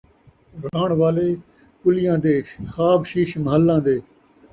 رہݨ والے کُلیاں دے ، خواب شیش محلاں دے